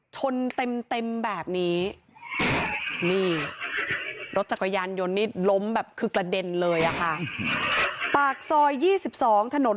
ชนเต็มเต็มแบบนี้นี่รถจักรยานยนต์นี่ล้มแบบคือกระเด็นเลยอะค่ะปากซอย๒๒ถนน